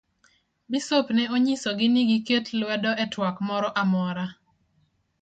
Bisop ne onyiso gi ni giket lwedo e twak moro amora.